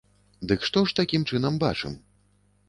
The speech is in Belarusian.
Дык што ж, такім чынам, бачым?